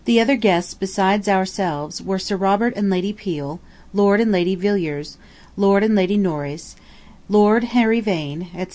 The guests besides ourselves were Sir Robert and Lady Peel, Lord and Lady Villiers, Lord and Lady Norreys, Lord Harry Vane, etc.